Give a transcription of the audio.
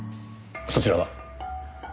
そちらは？